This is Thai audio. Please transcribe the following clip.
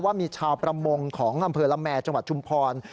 ว่ามีชาวประมงของอำเภอละแมจังหวัดชุมพร